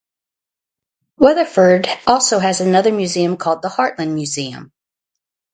Weatherford also has another museum called The Heartland Museum.